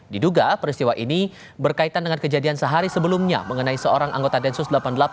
diduga peristiwa ini berkaitan dengan kejadian sehari sebelumnya mengenai seorang anggota densus delapan puluh delapan